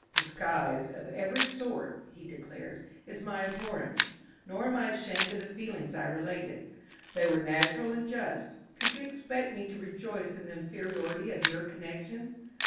"Disguise of every sort," he declares, "is my abhorrence. Nor am I ashamed of the feelings I related. They were natural and just. Could you expect me to rejoice in the inferiority of your connections?